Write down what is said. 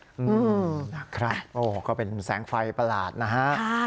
อืมนะครับโอ้ก็เป็นแสงไฟประหลาดนะฮะ